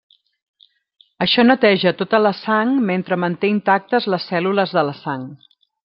Això neteja tota la sang mentre manté intactes les cèl·lules de la sang.